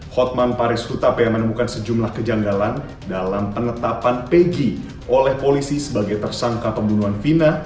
kita pengen menemukan sejumlah kejanggalan dalam penetapan peggy oleh polisi sebagai tersangka pembunuhan vina